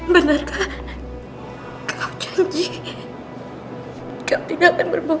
benarkah kau janji kau tidak akan berbohong